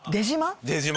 出島。